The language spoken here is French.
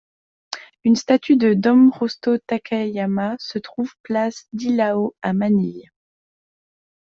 Une statue de Dom Justo Takayama se trouve place Dilao à Manille.